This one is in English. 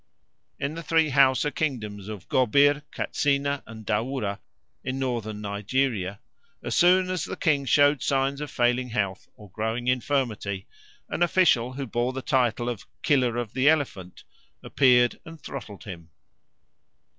In the three Hausa kingdoms of Gobir, Katsina, and Daura, in Northern Nigeria, as soon as a king showed signs of failing health or growing infirmity, an official who bore the title of Killer of the Elephant appeared and throttled him.